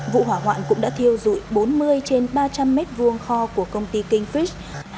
vụ hỏa hoạn cũng đã thiêu dụi bốn mươi trên ba trăm linh mét vuông kho của công ty kinh phít